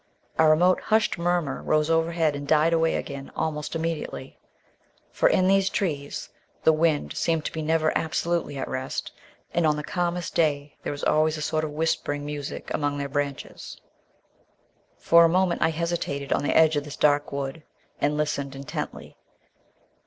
A remote, hushed murmur rose overhead and died away again almost immediately; for in these trees the wind seems to be never absolutely at rest, and on the calmest day there is always a sort of whispering music among their branches. For a moment I hesitated on the edge of this dark wood, and listened intently.